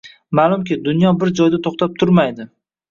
Ma’lumki, dunyo bir joyda to’xtab turmaydi